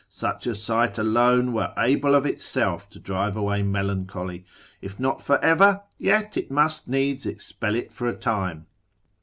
Such a sight alone were able of itself to drive away melancholy; if not for ever, yet it must needs expel it for a time.